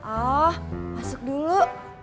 oh masuk dulu